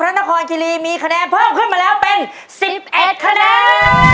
นครคิรีมีคะแนนเพิ่มขึ้นมาแล้วเป็น๑๑คะแนน